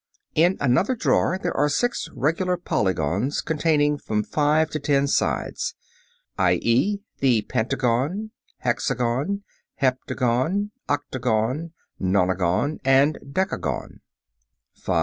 ] (4) In another drawer there are six regular polygons containing from five to ten sides, i.e., the pentagon, hexagon, heptagon, octagon, nonagon, and decagon. (Fig. 20.) [Illustration: FIG. 20.